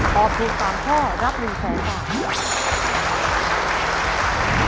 ตอบถูก๓ข้อรับ๑๐๐๐บาท